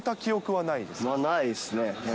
は、ないですね。